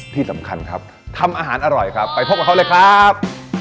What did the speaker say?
ที่สำคัญครับทำอาหารอร่อยครับไปพบกับเขาเลยครับ